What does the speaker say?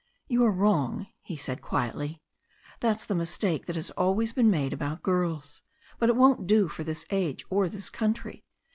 "You are wrong," he said quietly. "That's the mistake that has always been made about girls. But it won't do for this age, or this country.